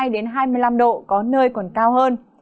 hai mươi hai đến hai mươi năm độ có nơi còn cao hơn